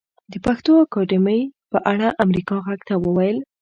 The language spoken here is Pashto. د پښتو اکاډمۍ په اړه امريکا غږ ته وويل